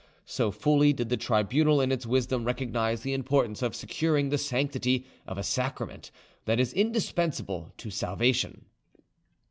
So fully did the tribunal in its wisdom recognise the importance of securing the sanctity of a sacrament that is indispensable to salvation.